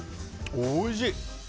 おいしい。